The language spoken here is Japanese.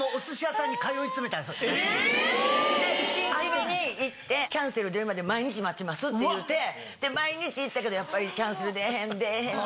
えぇ⁉１日目に行って「キャンセル出るまで毎日待ちます」って言うて毎日行ったけどやっぱりキャンセル出えへん出えへん。